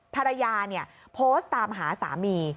ภรรยาโพสต์ตามหาสามี